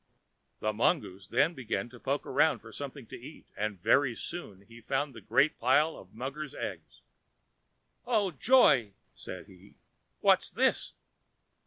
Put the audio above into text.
The mongoose then began to poke about for something to eat, and very soon he found the great big pile of muggers' eggs. "Oh, joy!" said he, "what's this?"